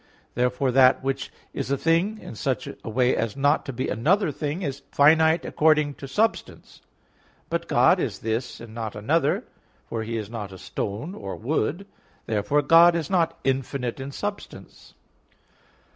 Therefore that which is a thing in such a way as not to be another thing, is finite according to substance. But God is this, and not another; for He is not a stone or wood. Therefore God is not infinite in substance.